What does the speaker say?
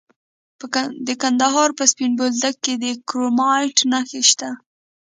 د کندهار په سپین بولدک کې د کرومایټ نښې شته.